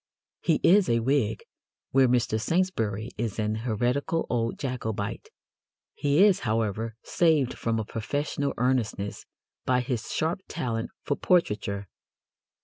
He is a Whig, where Mr. Saintsbury is an heretical old Jacobite. He is, however, saved from a professorial earnestness by his sharp talent for portraiture.